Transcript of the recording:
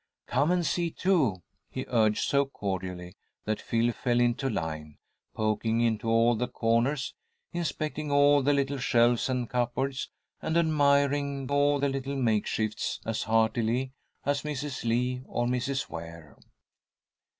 "Come and see, too," he urged so cordially that Phil fell into line, poking into all the corners, inspecting all the little shelves and cupboards, and admiring all the little makeshifts as heartily as Mrs. Lee or Mrs. Ware.